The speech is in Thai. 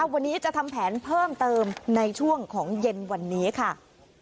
วันนี้จะทำแผนเพิ่มเติมในช่วงของเย็นวันนี้ค่ะ